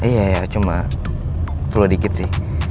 iya ya cuma flu dikit sih